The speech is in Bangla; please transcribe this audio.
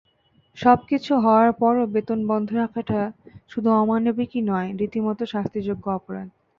সবকিছু হওয়ার পরও বেতন বন্ধ রাখাটা শুধু অমানবিকই নয়, রীতিমতো শাস্তিযোগ্য অপরাধ।